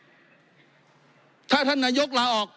ท่านนายกคือทำร้ายระบอบประชาธิปไตยที่มีพระมหาคศัตริย์